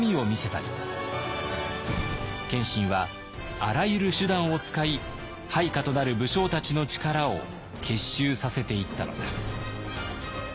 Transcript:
謙信はあらゆる手段を使い配下となる武将たちの力を結集させていったのです。